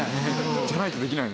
じゃないとできない。